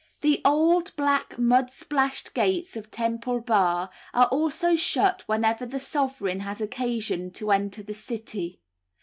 The old, black, mud splashed gates of Temple Bar are also shut whenever the sovereign has occasion to enter the City.